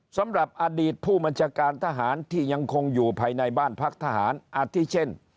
สำหรับอดีตผู้บัญชาการทหารที่ยังคงอยู่ภายในบ้านพักทหารอาทิเช่น